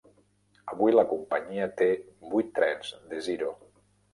Avui la companyia té vuit trens Desiro.